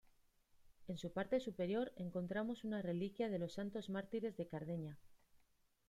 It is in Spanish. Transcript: En su parte superior encontramos una reliquia de los Santos Mártires de Cardeña.